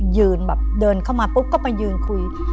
ยืนแบบเดินเข้ามาปุ๊บก็ไปยืนคุย